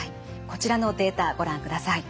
こちらのデータご覧ください。